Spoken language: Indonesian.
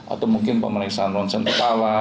atau mungkin pemeriksaan ronsen kepala